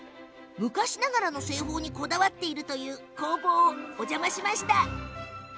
昔ながらの製法にこだわっているという工房にお邪魔しました。